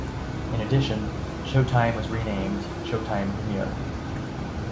In addition, Showtime was renamed showtime premiere.